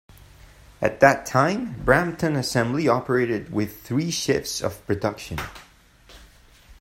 At that time, Brampton Assembly operated with three shifts of production.